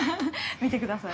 見て下さい。